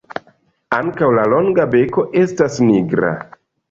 Ankaŭ la longa beko estas nigra.